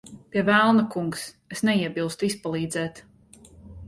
Pie velna, kungs. Es neiebilstu izpalīdzēt.